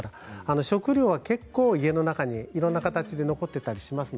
食料は結構、家の中でいろんな形で残っています。